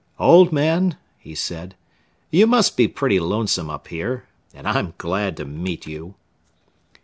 "Old Man," he said, "You must be pretty lonesome up here, and I'm glad to meet you."